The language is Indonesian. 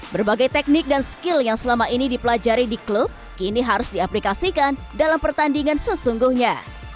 berbagai teknik dan skill yang selama ini dipelajari di klub kini harus diaplikasikan dalam pertandingan sesungguhnya